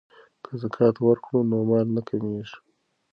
که زکات ورکړو نو مال نه کمیږي.